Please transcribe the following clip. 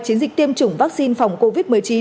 chiến dịch tiêm chủng vaccine phòng covid một mươi chín